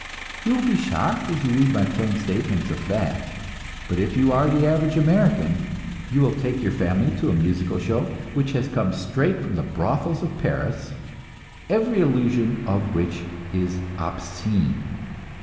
You will be shocked as you read my plain statements of fact, but if you are the average American, you will take your family to a musical show which has come straight from the brothels of Paris, every allusion of which is obscene.